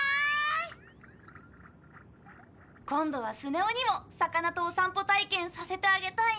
今度はスネ夫にも魚とお散歩体験させてあげたいね。